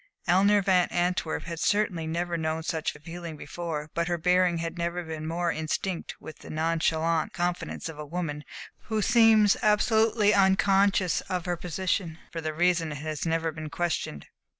Eleanor Van Antwerp had certainly never known such a feeling before, but her bearing had never been more instinct with the nonchalant confidence of a woman who seems absolutely unconscious of her position, for the reason that it has never been questioned.